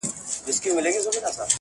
اوس هغه بل كور كي اوسيږي كنه-